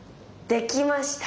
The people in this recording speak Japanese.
できました！